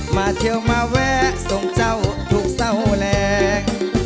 มาเที่ยวเมาท์แวะส่งเจ้าทุกสาวแรง